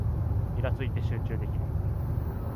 イラついて集中できない